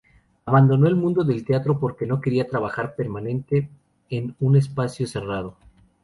Abandonó el mundo del teatro porque no quería trabajar permanente en un espacio cerrado.